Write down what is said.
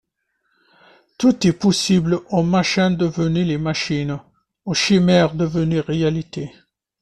Tout est possible aux machins devenus les machines, aux chimères devenues réalités.